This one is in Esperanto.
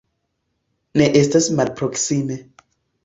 Ne estas malproksime.